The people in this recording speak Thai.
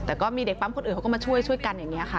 แต่ก็มีเด็กปั๊มคนอื่นเขาก็มาช่วยช่วยกันอย่างนี้ค่ะ